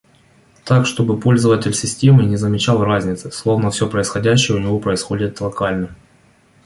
Так, чтобы пользователь системы не замечал разницы, словно все происходящее у него происходит локально